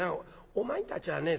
お前たちはね